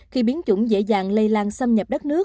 khi biến chủng dễ dàng lây lan xâm nhập đất nước